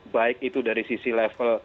baik itu dari sisi level